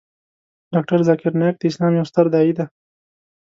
ډاکتر ذاکر نایک د اسلام یو ستر داعی دی .